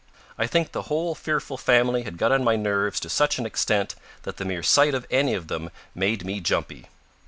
I think the whole fearful family had got on my nerves to such an extent that the mere sight of any of them made me jumpy.